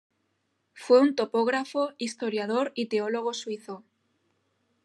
Fue un topógrafo, historiador y teólogo suizo.